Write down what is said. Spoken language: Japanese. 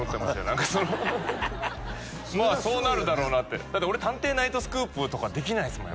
何かそのまあそうなるだろうなってだって俺「探偵！ナイトスクープ」とかできないですもん